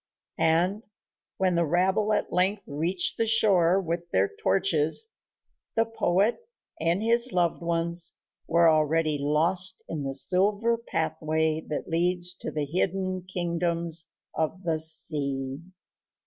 And when the rabble at length reached the shore with their torches, the poet and his loved ones were already lost in the silver pathway that leads to the hidden kingdoms of the sea.